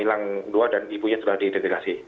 hilang dua dan ibunya sudah diidentifikasi